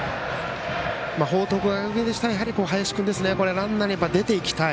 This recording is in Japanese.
報徳学園からしたら林君はランナーに出て行きたい。